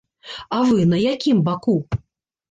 А вы на якім баку?